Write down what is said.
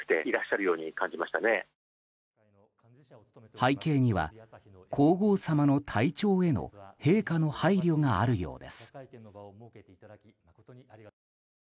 背景には、皇后さまの体調への陛下の配慮があるようです。